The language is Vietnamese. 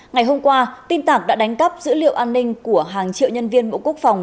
ngày hôm qua tin tạc đã đánh cắp dữ liệu an ninh của hàng triệu nhân viên bộ quốc phòng